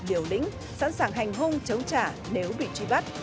điều lĩnh sẵn sàng hành hung chống trả nếu bị truy bắt